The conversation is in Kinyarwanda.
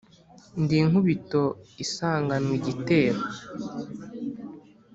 ndi inkubito isanganwa igitero